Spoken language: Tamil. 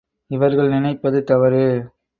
இவர்கள் நினைப்பது தவறு.